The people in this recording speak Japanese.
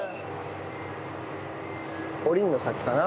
降りるの先かな？